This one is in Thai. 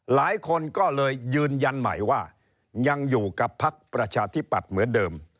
หลายคนก็เลยยืนยันใหม่ว่ายังอยู่กับพักประชาธิปัตย์เหมือนเดิม